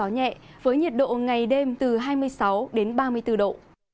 nhẹ với nhiệt độ ngày đêm từ hai mươi sáu đến ba mươi bốn độ